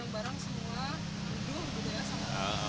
barang semua nandung juga ya sama